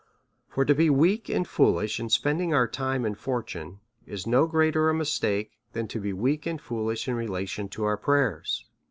For to be weak and foolish in spending our time and fortune, is no greater a mis take than to be weak and foolish in relation to our prayers.